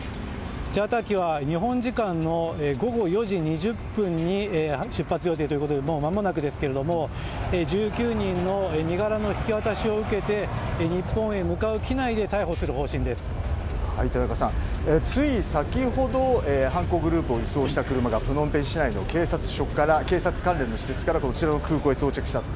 チャーター機は日本時間午後４時２０分に出発予定ということでもうまもなくですが１９人の身柄の引き渡しを受けて日本へ向かう機内で田中さん、つい先ほど犯行グループを輸送した車がプノンペン市内の警察関連の施設からこちらの空港に到着したと。